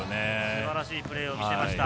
素晴らしいプレーを見せました。